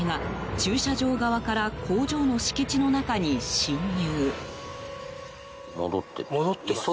駐車場側から工場の敷地の中に侵入。